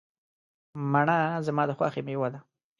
مڼه زما د خوښې مېوه ده.